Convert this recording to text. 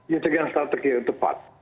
itu kan strategi yang tepat